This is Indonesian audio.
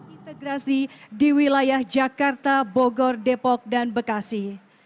integrasi di wilayah jakarta bogor depok dan bekasi